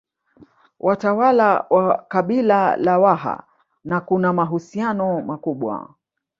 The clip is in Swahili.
Watawala wa kabila la Waha na kuna mahusiano makubwa